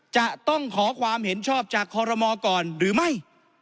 จะต้องขอความเห็นชอบจากคอรมอก่อนหรือไม่